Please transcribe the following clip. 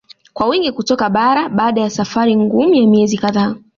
Kwa wingi kutoka bara baada ya safari ngumu ya miezi kadhaa